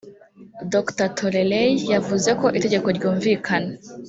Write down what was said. Dr Torerei yavuze ko itegeko ryumvikana